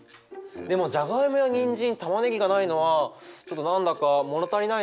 でもじゃがいもやにんじんたまねぎがないのはちょっと何だか物足りないな。